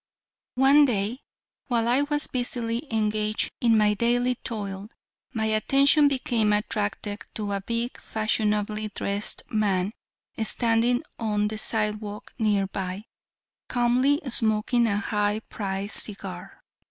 One day, while I was busily engaged in my daily toil, my attention became attracted to a big, fashionably dressed man, standing on the sidewalk near by, calmly smoking a high priced cigar.